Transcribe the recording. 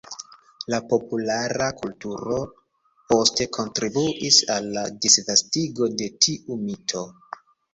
La populara kulturo poste kontribuis al la disvastigo de tiu mito.